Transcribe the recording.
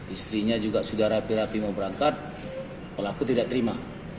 istrinya juga sudah rapi rapi mau berangkat pelaku tidak terima